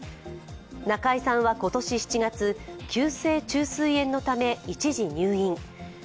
中居さんは今年７月、急性虫垂炎のため一時入院。